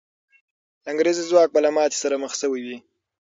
انګریزي ځواک به له ماتې سره مخ سوی وي.